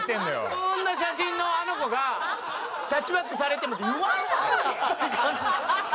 こんな写真のあの子が「立ちバックされても」って言わんやろ！